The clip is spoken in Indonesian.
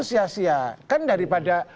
sia sia kan daripada